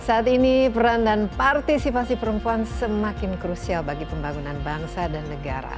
saat ini peran dan partisipasi perempuan semakin krusial bagi pembangunan bangsa dan negara